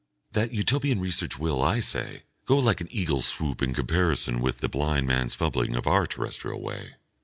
That Utopian research will, I say, go like an eagle's swoop in comparison with the blind man's fumbling of our terrestrial way.